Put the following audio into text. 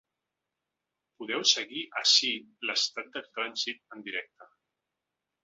Podeu seguir ací l’estat del trànsit en directe.